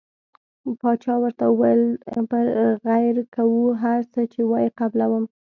باچا ورته وویل پر غیر کوو هر څه چې وایې قبلووم.